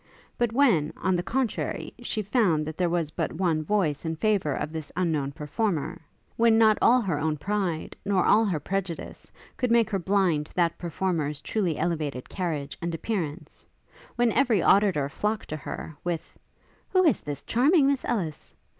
But when, on the contrary, she found that there was but one voice in favour of this unknown performer; when not all her own pride, nor all her prejudice, could make her blind to that performer's truly elevated carriage and appearance; when every auditor flocked to her, with 'Who is this charming Miss Ellis?'